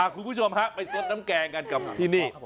คุณผู้ชมฮะไปซดน้ำแกงกันกับที่นี่